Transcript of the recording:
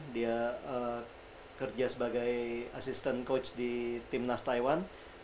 dia kerja sebagai asisten coach di timnas taiwan